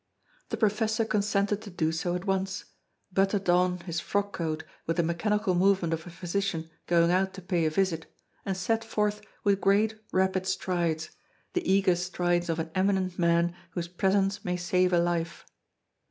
The professor consented to do so at once, buttoned on his frock coat with the mechanical movement of a physician going out to pay a visit, and set forth with great, rapid strides, the eager strides of an eminent man whose presence may save a life.